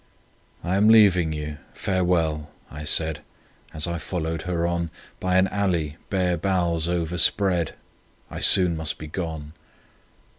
"I am leaving you ... Farewell!" I said, As I followed her on By an alley bare boughs overspread; "I soon must be gone!"